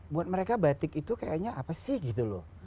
buat mereka batik itu kayaknya apa sih gitu loh